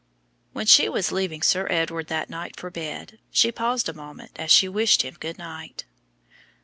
When she was leaving him that night for bed, she paused a moment as she wished him good night.